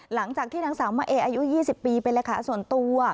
หลังจากที่นางสาวมะเออายุ๒๐ปีเป็นเลขาส่วนตัว